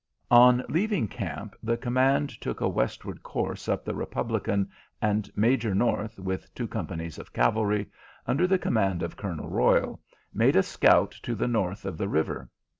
On leaving camp the command took a westward course up the Republican, and Major North, with two companies of cavalry, under the command of Colonel Royal, made a scout to the north of the river.